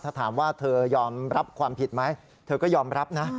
ถ้าถามว่าเธอยอมรับความผิดไหมเธอก็ยอมรับนะ